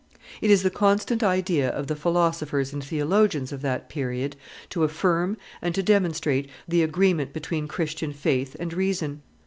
It is the constant idea of the philosophers and theologians of that period to affirm and to demonstrate the agreement between Christian faith and reason.